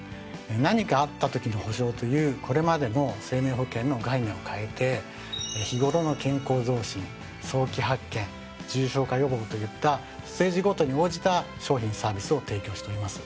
何かあったときの保障というこれまでの生命保険の概念を変えて日頃の健康増進早期発見重症化予防といったステージごとに応じた商品サービスを提供しております。